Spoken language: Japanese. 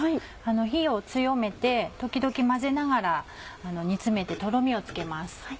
火を強めて時々混ぜながら煮詰めてとろみをつけます。